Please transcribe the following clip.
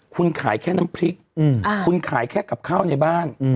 คุณขายแค่น้ำพริกคุณขายแค่กับข้าวในบ้าน